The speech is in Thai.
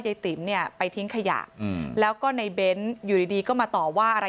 ติ๋มเนี่ยไปทิ้งขยะแล้วก็ในเบ้นอยู่ดีดีก็มาต่อว่าอะไร